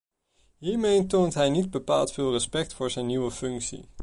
Hiermee toont hij niet bepaald veel respect voor zijn nieuwe functie.